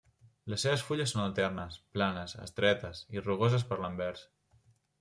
Les seves fulles són alternes, planes, estretes i rugoses per l'anvers.